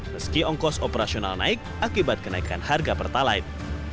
meski ongkos operasional naik akibat kenaikan harga pertalite